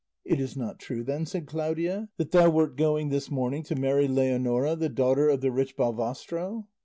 "It is not true, then," said Claudia, "that thou wert going this morning to marry Leonora the daughter of the rich Balvastro?"